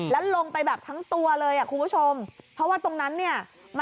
แล้วลงไปแบบทั้งตัวเลยอ่ะคุณผู้ชมเพราะว่าตรงนั้นเนี่ย